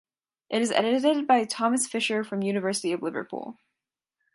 It is edited by Thomas Fischer from University of Liverpool.